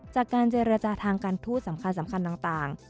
จากการเจรจาทางการทูตสำคัญต่าง